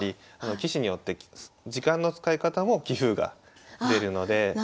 棋士によって時間の使い方も棋風が出るので。